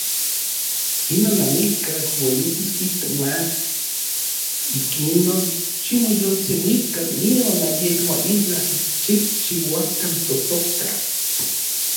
Inon amikaj uelitis kijtos mach. Ikinon ximoyolseuikan nion ayekmo itlaj xikchiuakan totoka.